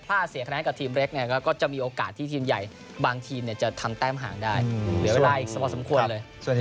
ถ้าเสียคะแนนกับทีมเล็กเนี่ยก็จะมีโอกาสที่ทีมใหญ่บางทีมจะทำแต้มห่างได้เหลือเวลาอีกพอสมควรเลย